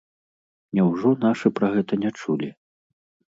Няўжо нашы пра гэта не чулі?